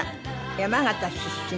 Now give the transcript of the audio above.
山形出身。